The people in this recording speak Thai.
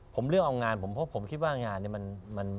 ผมเลือกเอางานผมเพราะผมคิดว่างานนี้มัน